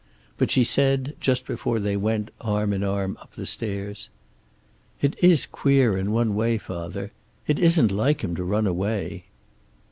But she said, just before they went, arm in arm, up the stairs: "It is queer in one way, father. It isn't like him to run away."